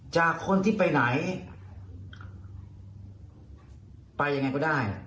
จากคนที่ไปไหนไปยังไงก็ได้